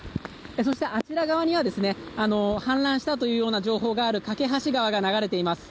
そして、あちら側には氾濫したという情報がある梯川が流れています。